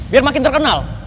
biar makin terkenal